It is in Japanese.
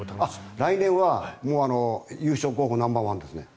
来年は優勝候補ナンバーワンですね。